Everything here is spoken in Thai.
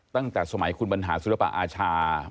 ตั้งแต่สมัยคุณบรรหาศิลปะอาชา